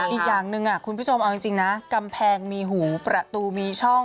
อีกอย่างหนึ่งคุณผู้ชมเอาจริงนะกำแพงมีหูประตูมีช่อง